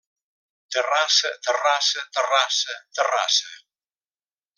Terrassa, Terrassa, Terrassa, Terrassa.